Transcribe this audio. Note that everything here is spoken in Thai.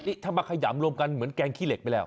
นี่ถ้ามาขยำรวมกันเหมือนแกงขี้เหล็กไปแล้ว